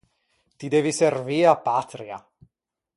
Ti devi servî a patria.